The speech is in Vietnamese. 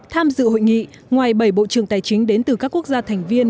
tham dự hội nghị ngoài bảy bộ trưởng tài chính đến từ các quốc gia thành viên